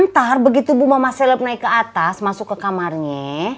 ntar begitu bu mama seleb naik ke atas masuk ke kamarnya